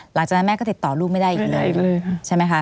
หลังจากนั้นแม่ก็ติดต่อลูกไม่ได้อีกเลยใช่ไหมคะ